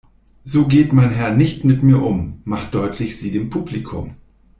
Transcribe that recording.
„So geht mein Herr nicht mit mir um“, macht deutlich sie dem Publikum.